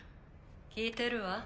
聞いてるわ。